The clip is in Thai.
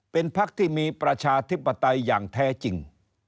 เป็นพักที่มีประชาธิปไตยอย่างแท้จริง